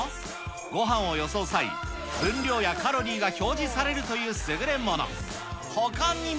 ごはんをよそう際、分量やカロリーが表示されるという優れもの。